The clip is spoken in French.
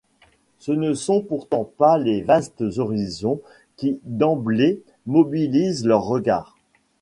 Ce ne sont pourtant pas les vastes horizons qui d'emblée mobilisent leur regard.